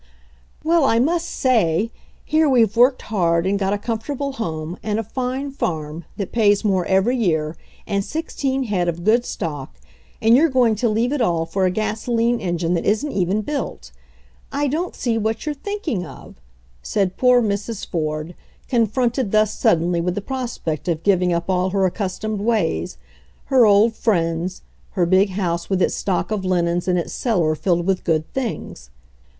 "Well, I must say. Here we've worked hard, and got a comfortable home, and a fine farm, that pays more every year, and sixteen head of good stock — and you're going to leave it all for a gasoline engine that isn't even built I don't see what you're thinking of," said poor Mrs, Ford, confronted thus suddenly with the prospect of giving up all her accustomed ways, her old friends, her big house with its stock of linens and its cellar filled with good things.